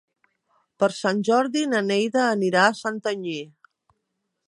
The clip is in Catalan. Per Sant Jordi na Neida anirà a Santanyí.